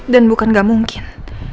dan bukan gak mungkin